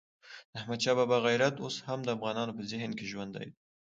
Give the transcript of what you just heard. د احمدشاه بابا غیرت اوس هم د افغانانو په ذهن کې ژوندی دی.